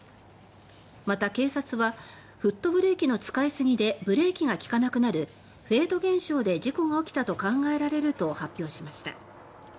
また、警察はフットブレーキの使い過ぎでブレーキが利かなくなる「フェード現象」で事故が起きたと考えられると発表しました。